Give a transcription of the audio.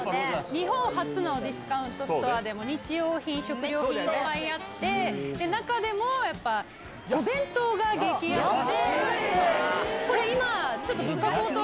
日本初のディスカウントストアで、日用品、食料品あって、中でもやっぱ、お弁当が激安で。